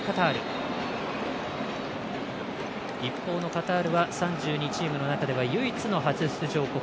カタールは３２チームの中では唯一の初出場国。